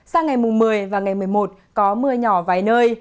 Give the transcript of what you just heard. sang ngày mùng một mươi và ngày một mươi một có mưa nhỏ vài nơi